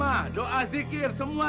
bang tayyib ada di rumah